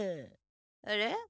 あれ？